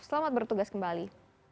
selamat bertugas kembali